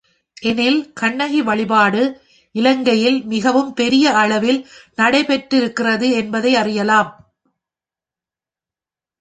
எனில், கண்ணகி வழிபாடு இலங்கையில் மிகவும் பெரிய அளவில் நடைபெற்றிருக்கிறது என்பதை அறியலாம்.